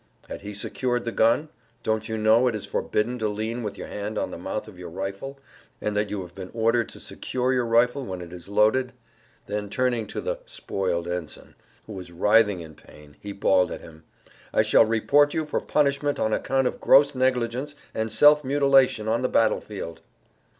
"Had he secured the gun? Don't you know that it is forbidden to lean with your hand on the mouth of your rifle and that you have been ordered to secure your rifle when it is loaded?" Then turning to the "spoiled ensign," who was writhing with pain, he bawled at him: "I shall report you for punishment on account of gross negligence and self mutilation on the battle field!"